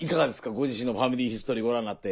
ご自身の「ファミリーヒストリー」ご覧になって。